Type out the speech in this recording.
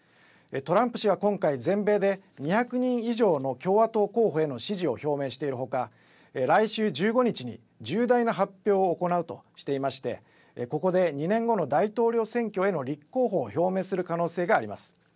トランプ氏は今回全米で２００人以上の共和党候補への支持を表明しているほか、来週１５日に重大な発表を行うとしていまして、ここで２年後の大統領選挙への立候補を表明する可能性があります。